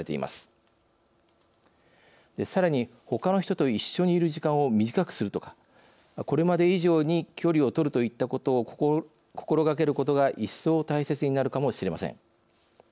さらにほかの人と一緒にいる時間を短くするとかこれまで以上に距離を取るといったことを心がけることが一層大切になるかもしれません。